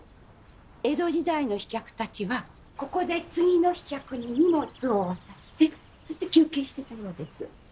江戸時代の飛脚たちはここで次の飛脚に荷物を渡してそして休憩してたようです。